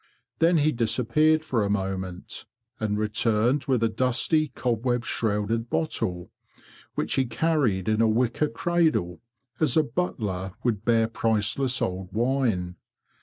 Then he disappeared for a moment, and returned with a dusty cobweb shrouded bottle, which he carried in a wicker cradle as a butler would bear priceless old wine.